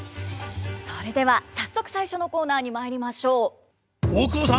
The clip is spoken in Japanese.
それでは早速最初のコーナーに参りましょう。